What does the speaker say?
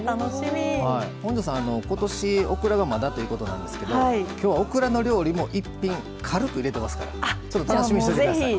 本上さん、ことし、オクラがまだということなんですけどきょうはオクラの料理も軽く一品入れてますから楽しみにしておいてください。